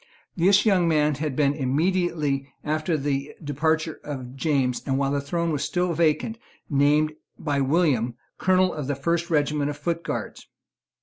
This young man had been, immediately after the departure of James, and while the throne was still vacant, named by William Colonel of the First Regiment of Foot Guards.